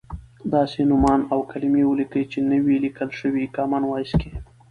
داسې نومان او کلیمې ولیکئ چې نه وې لیکل شوی کامن وایس کې.